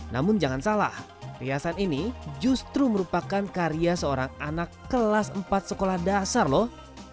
namun jangan salah riasan ini justru merupakan karya seorang anak kelas empat sekolah dasar loh